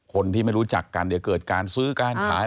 คนที่ไม่รู้จักกันจะเกิดซื้อการขาย